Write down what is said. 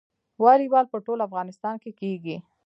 والیبال په ټول افغانستان کې کیږي.